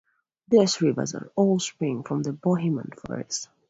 These rivers all spring from the Bohemian Forest.